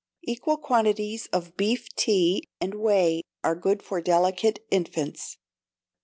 Equal quantities of beef tea and whey are good for delicate infants.